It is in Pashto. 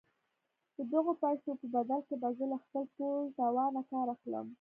د دغو پيسو په بدل کې به زه له خپل ټول توانه کار اخلم.